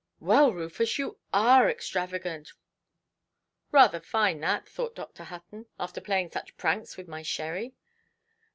"Well, Rufus, you are extravagant"!—"Rather fine, that", thought Dr. Hutton, "after playing such pranks with my sherry"!